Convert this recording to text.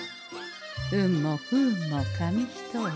運も不運も紙一重。